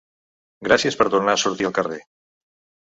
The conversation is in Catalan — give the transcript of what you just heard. Gràcies per tornar a sortir al carrer.